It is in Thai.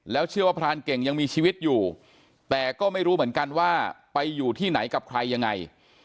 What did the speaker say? เชื่อว่าพรานเก่งยังมีชีวิตอยู่แต่ก็ไม่รู้เหมือนกันว่าไปอยู่ที่ไหนกับใครยังไง